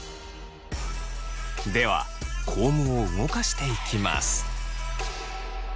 ではコームを動かしていきます。